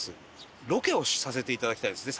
ロケをさせていただきたいんですね